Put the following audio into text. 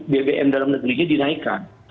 bbm dalam negerinya dinaikkan